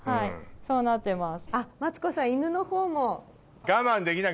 そうなってます。